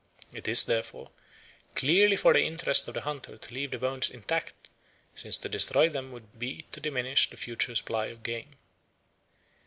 It is, therefore, clearly for the interest of the hunter to leave the bones intact since to destroy them would be to diminish the future supply of game.